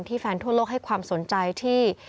แฟนทั่วโลกให้ความสนใจที่